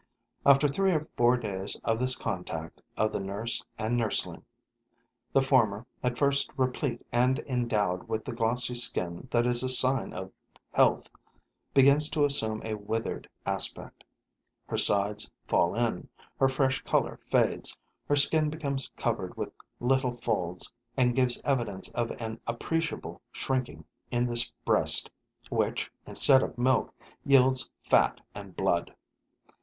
After three or four days of this contact of the nurse and nursling, the former, at first replete and endowed with the glossy skin that is a sign of health, begins to assume a withered aspect. Her sides fall in, her fresh color fades, her skin becomes covered with little folds and gives evidence of an appreciable shrinking in this breast which, instead of milk, yields fat and blood.